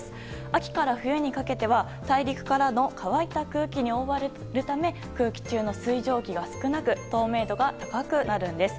秋から冬にかけては大陸からの乾いた空気に覆われるため空気中の水蒸気が少なく透明度が高くなるんです。